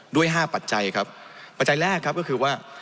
ด้วย๕ปัจจัยครับปัจจัยแรกครับก็คือว่า